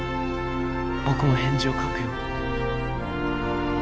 ．僕も返事を書くよ。